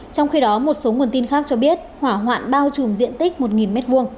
trong khi đó một số nguồn tin khác cho biết hỏa hoạn bao trùm diện tích một m hai